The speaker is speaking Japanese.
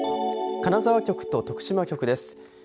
金沢局と徳島局です。